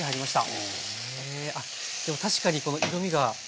あっでも確かにこの色みが。